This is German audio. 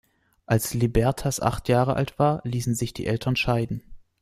Als Libertas acht Jahre alt war, ließen sich die Eltern scheiden.